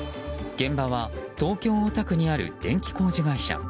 現場は東京・大田区にある電気工事会社。